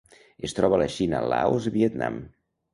Es troba a la Xina, Laos i Vietnam.